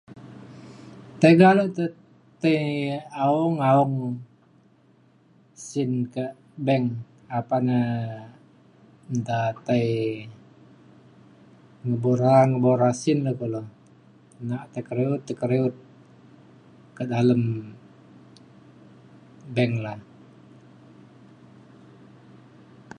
tega lokte tai aung aung sin ke' bank apan um nta tai ngebora ngebora sin ne kulu nak tekeriut tekeriut ke dalem bank le.